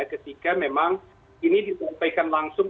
ketika memang ini disampaikan langsung